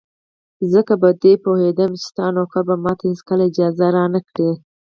ځکه په دې پوهېدم چې ستا نوکر به ماته هېڅکله اجازه را نه کړي.